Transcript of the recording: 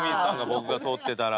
僕が撮ってたら。